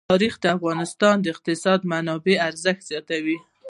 تاریخ د افغانستان د اقتصادي منابعو ارزښت زیاتوي.